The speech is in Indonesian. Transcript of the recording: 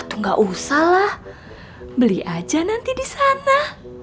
tuh gak usah lah beli aja nanti di sana